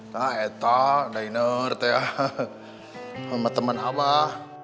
nah etak diner tuh ya sama temen abah